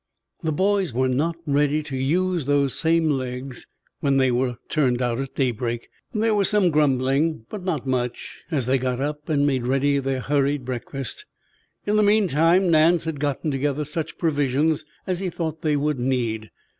The boys were not ready to use those same legs when they were turned out at daybreak. There was some grumbling, but not much as they got up and made ready their hurried breakfast. In the meantime Nance had gotten together such provisions as he thought they would need.